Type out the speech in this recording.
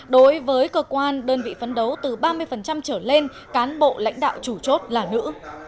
đối với cơ quan đơn vị phấn đấu từ ba mươi trở lên cán bộ lãnh đạo chủ chốt là nữ